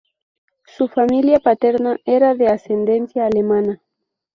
Su familia paterna era de ascendencia alemana.